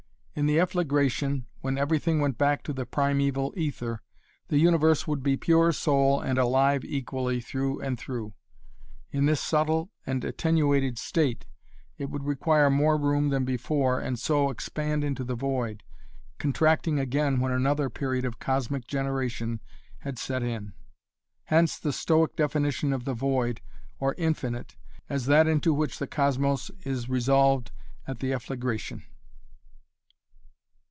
In the efflagration, when everything went back to the primeval aether, the universe would be pure soul and alive equally through and through. In this subtle and attenuated state, it would require more room than before and so expand into the void, contracting again when another period of cosmic generation had set in. Hence the Stoic definition of the Void or Infinite as that into which the cosmos is resolved at the efflagration.